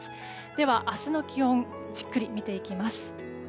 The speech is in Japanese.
では明日の気温じっくり見ていきます。